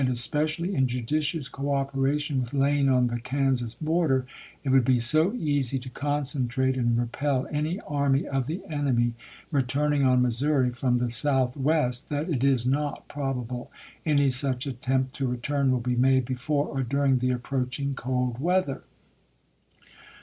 especially in judicious cooperation with Lane on the Kansas border, it would be so easy to concentrate and repel any army of the enemy returning on Missouri from the southwest that it is not probable any such attempt to return will be made before or during the approaching cold weather.